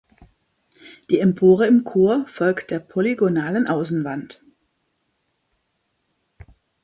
Die Empore im Chor folgt der polygonalen Außenwand.